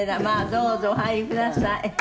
どうぞお入りください。